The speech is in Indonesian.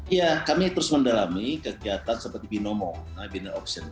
ya kami terus mendalami kegiatan seperti binomo bina option